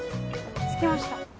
着きました。